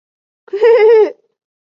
蹇念益自幼随父亲在四川念书。